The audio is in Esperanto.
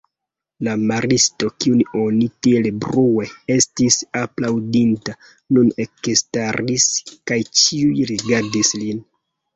La maristo, kiun oni tiel brue estis aplaŭdinta, nun ekstaris kaj ĉiuj rigardis lin.